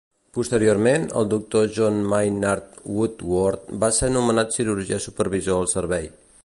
Posteriorment, el doctor John Maynard Woodworth va ser nomenat cirurgià supervisor al servei.